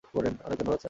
অনেক ধন্যবাদ, স্যার।